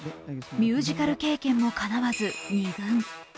ミュージカル経験もかなわず、２軍。